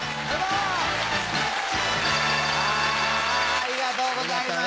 ありがとうございます。